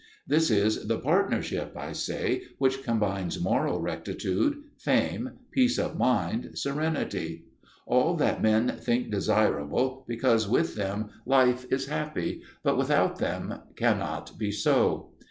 This is the partnership, I say, which combines moral rectitude, fame, peace of mind, serenity: all that men think desirable because with them life is happy, but without them cannot be so.